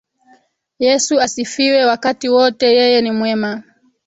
Yesu asifiwe wakati wote yeye ni mwema